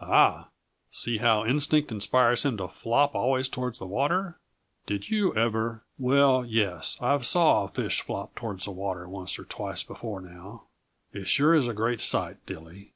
Ah h! See how instinct inspires him to flop always toward the water! Did you ever " "Well, yes, I've saw a fish flop toward the water once or twicet before now. It sure is a great sight, Dilly!"